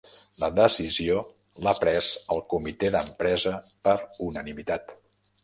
La decisió l'ha pres el comitè d'empresa per unanimitat